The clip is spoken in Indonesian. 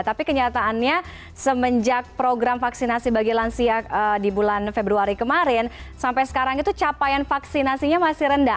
tapi kenyataannya semenjak program vaksinasi bagi lansia di bulan februari kemarin sampai sekarang itu capaian vaksinasinya masih rendah